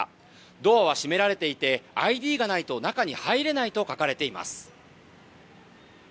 ドアは閉められていてＩＤがないと中に入れないと書かれています。